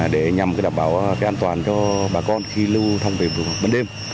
để nhằm đảm bảo an toàn cho bà con khi lưu thông về ban đêm